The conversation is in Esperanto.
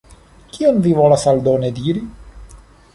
Kion vi volas aldone diri?